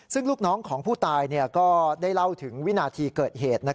ซึ่งลูกน้องของผู้ตายก็ได้เล่าถึงวินาทีเกิดเหตุ